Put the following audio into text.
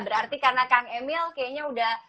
berarti karena kang emil kayaknya udah